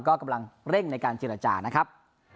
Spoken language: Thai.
ก็กำลังเร่งในการเจรจานะครับ